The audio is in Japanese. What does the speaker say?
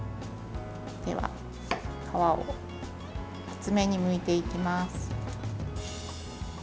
では、皮を厚めにむいていきます。